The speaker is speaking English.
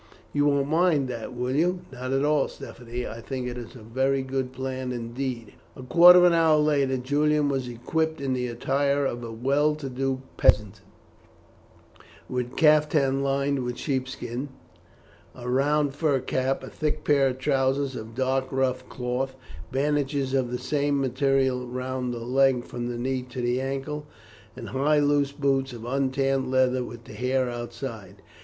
You won't mind that, will you?" "Not at all, Stephanie; I think that it is a very good plan indeed." A quarter of an hour later Julian was equipped in the attire of a well to do peasant, with caftan lined with sheep skin, a round fur cap, a thick pair of trousers of a dark rough cloth, bandages of the same material round the leg from the knee to the ankle, and high loose boots of untanned leather with the hair inside.